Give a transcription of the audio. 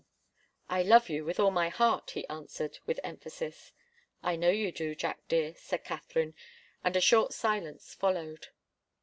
"I love you with all my heart," he answered, with emphasis. "I know you do, Jack dear," said Katharine, and a short silence followed.